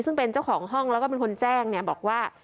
ซึ่งเป็นเจ้าของห้องแล้วก็เป็นคนแจ้งเนี่ยบอกว่า